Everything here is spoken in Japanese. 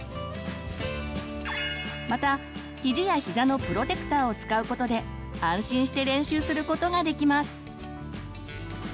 またひじやひざのプロテクターを使うことで安心して練習することができます。